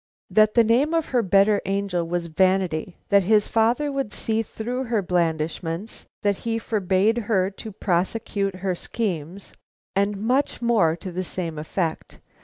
"That the name of her better angel was Vanity; that his father would see through her blandishments; that he forbade her to prosecute her schemes; and much more to the same effect.